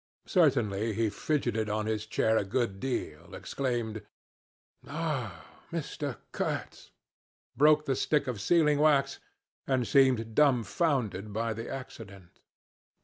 Certainly he fidgeted on his chair a good deal, exclaimed, 'Ah, Mr. Kurtz!' broke the stick of sealing wax and seemed dumbfounded by the accident.